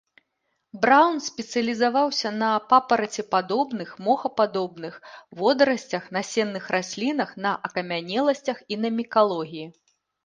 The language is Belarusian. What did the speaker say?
Браўн спецыялізаваўся на папарацепадобных, мохападобных, водарасцях, насенных раслінах, на акамянеласцях і на мікалогіі.